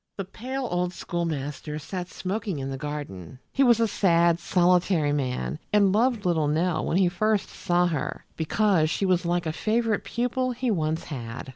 The pale old schoolmaster sat smoking in the garden. He was a sad, solitary man, and loved little Nell when he first saw her, because she was like a favorite pupil he once had.